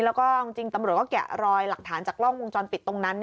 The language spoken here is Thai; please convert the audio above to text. แล้วก็จริงตำรวจก็แกะรอยหลักฐานจากกล้องวงจรปิดตรงนั้น